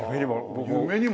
僕も。